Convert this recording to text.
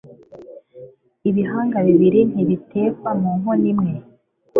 ibihanga bibiri ntibitekwa mu nkono imwe